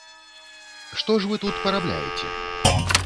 Што ж вы тут парабляеце?